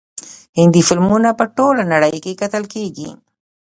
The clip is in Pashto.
هندي فلمونه په ټوله نړۍ کې کتل کیږي.